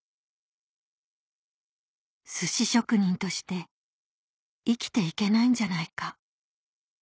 「寿司職人として生きていけないんじゃないか」